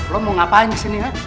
lo mau ngapain kesini ya